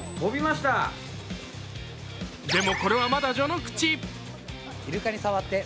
でも、これはまだ序の口。